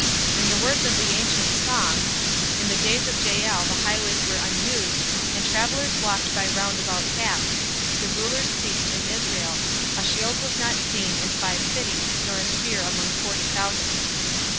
In the words of the ancient song: In the days of Jael the highways were unused, And travellers walked by round about paths. The rulers ceased in Israel; A shield was not seen in five cities Nor a spear among forty thousand.